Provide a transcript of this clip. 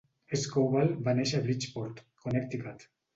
Scoville va néixer a Bridgeport, Connecticut.